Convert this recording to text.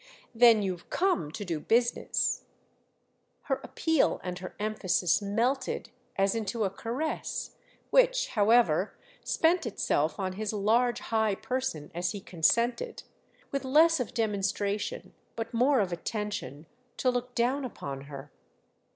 "Then you've come to do business?" Her appeal and her emphasis melted as into a caress—which, however, spent itself on his large high person as he consented, with less of demonstration but more of attention, to look down upon her.